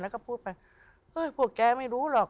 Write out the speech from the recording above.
แล้วก็พูดไปเฮ้ยพวกแกไม่รู้หรอก